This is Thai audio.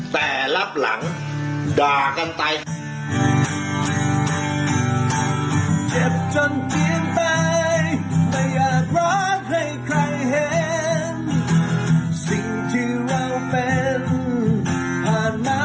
แต่รับหลังด่ากันไป